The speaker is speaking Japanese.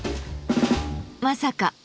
まさか。